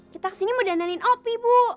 kita kesini mau dandanin op bu